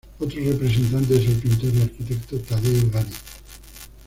Otro representante es el pintor y arquitecto Taddeo Gaddi.